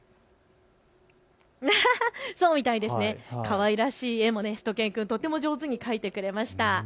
かわいらしい絵もしゅと犬くん、とても上手に描いてくれました。